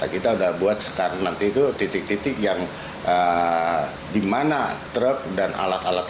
kita sudah buat sekarang nanti itu titik titik yang dimana truk dan alat alat